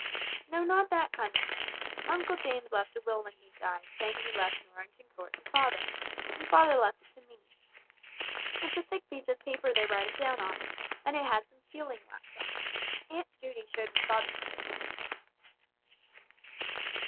"No, not that kind of one. Uncle James left a will when he died saying he left Norrington Court to father, and father left it to me. It's a piece of thick paper they write it down on, and it has some sealing wax on it. Aunt Judy showed me father's will once."